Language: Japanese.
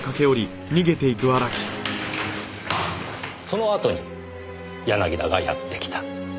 そのあとに柳田がやって来た。